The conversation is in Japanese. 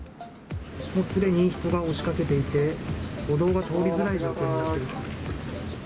すでに人が押しかけていて、歩道が通りづらい状況になっています。